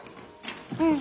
うん。